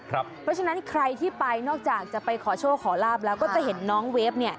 เพราะฉะนั้นใครที่ไปนอกจากจะไปขอโชคขอลาบแล้วก็จะเห็นน้องเวฟ